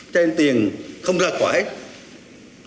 trên tiền không ra quả hết